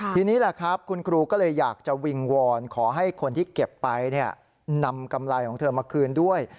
ทีนี้แหละครับคุณครูก็เลยอยากจะวิงวอนขอให้คนที่เก็บไปนำกำไรของเธอมาคืนด้วย